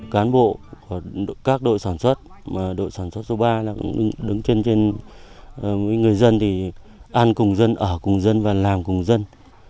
cán bộ các đội sản xuất đội sản xuất số ba đứng trên người dân thì ăn cùng dân ở cùng dân và làm cùng dân